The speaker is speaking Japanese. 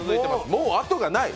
もうあとがない。